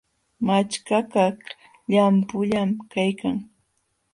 Machkakaq llampullam kaykan.